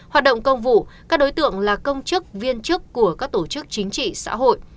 hoạt động công vụ các đối tượng là công chức viên chức của các tổ chức chính trị xã hội